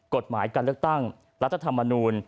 กฎหมายการเลือกตั้งรัฐธรรมนูล